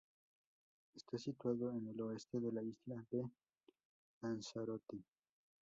Está situado en el oeste de la isla de Lanzarote.